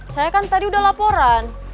saya kan tadi udah laporan